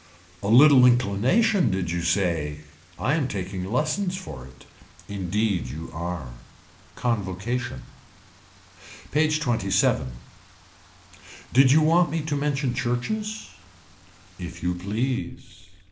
A little inclination did you say I am taking lessons for it. Indeed you are. Convocation. PAGE XXVII. Did you want me to mention churches. If you please.